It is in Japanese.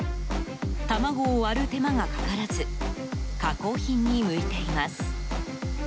卵を割る手間がかからず加工品に向いています。